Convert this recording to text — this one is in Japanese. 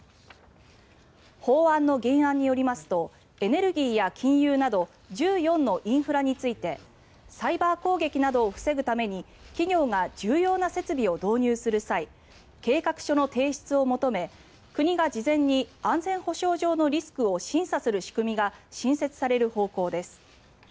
法案の原案によりますとエネルギーや金融など１４のインフラについてサイバー攻撃などを防ぐために企業が重要な設備を導入する際計画書の提出を求め国が事前に安全保障上のリスクを審査する仕組みが新設される方向です。